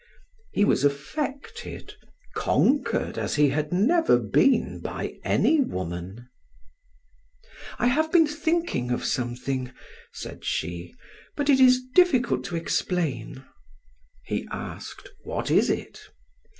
He was affected, conquered as he had never been by any woman. "I have been thinking of something," said she, "but it is difficult to explain." He asked: "What is it?"